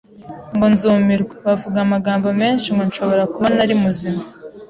ngo nzumirwa, bavuga amagambo menshi ngo nshobora kuba ntari muzima,